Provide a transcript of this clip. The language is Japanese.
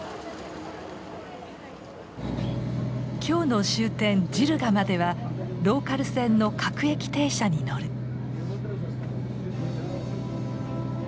今日の終点ジルガまではローカル線の各駅停車に乗る。